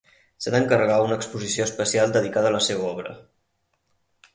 S'ha d'encarregar una exposició especial dedicada a la seva obra.